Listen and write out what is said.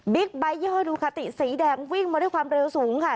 บิ๊กไบท์ดูค่ะติสีแดงวิ่งมาด้วยความเร็วสูงค่ะ